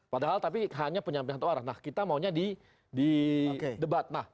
padahal tapi hanya penyampaian satu arah nah kita maunya di debat